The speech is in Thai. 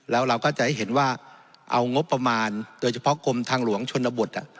แล้วเราก็จะให้เห็นว่าเอางบประมาณโดยเฉพาะกรมทางหลวงชนบท